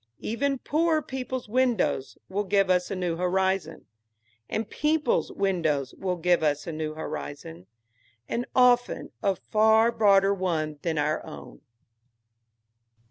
Even poorer people's windows will give us a new horizon, and people's windows will give us a new horizon, and often a far broader one than our own.